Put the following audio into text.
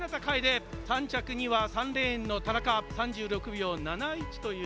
３着には３レーンの田中、３６秒７１という。